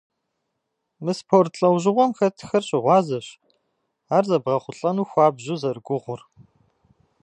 Мы спорт лӏэужьыгъуэм хэтхэр щыгъуазэщ ар зэбгъэхъулӏэну хуабжьу зэрыгугъур.